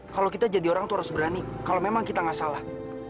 kalau kita jadi orang itu harus berani kalau memang kita nggak salah